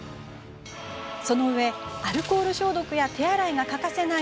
その上、アルコール消毒や手洗いが欠かせない